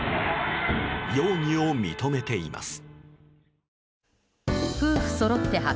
容疑を認めています。